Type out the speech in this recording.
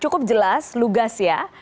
cukup jelas lugas ya